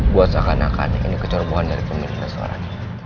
buat seakan akan ini kecorbohan dari pemimpin seorang